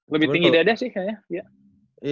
lebih tinggi dada sih kayaknya